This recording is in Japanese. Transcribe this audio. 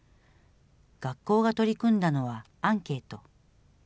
学校が取り組んだのはアンケート。